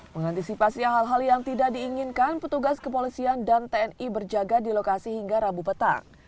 mengantisipasi hal hal yang tidak diinginkan petugas kepolisian dan tni berjaga di lokasi hingga rabu petang